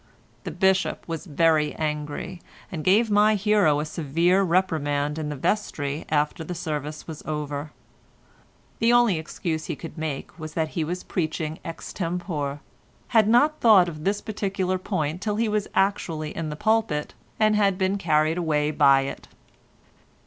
The Bishop was very angry, and gave my hero a severe reprimand in the vestry after service was over; the only excuse he could make was that he was preaching ex tempore, had not thought of this particular point till he was actually in the pulpit, and had then been carried away by it.